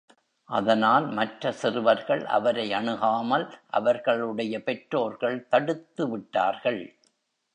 அதனால் மற்ற சிறுவர்கள் அவரை அணுகாமல் அவர்களுடைய பெற்றோர்கள் தடுத்துவிட்டார்கள்.